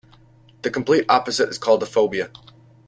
The complete opposite is called a phobia.